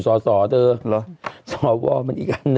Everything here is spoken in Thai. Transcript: ส่อวอจริย์เจ้าเป็นอีกอันหนึ่ง